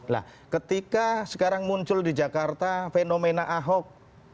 nah ketika sekarang muncul di jakarta fenomena ahok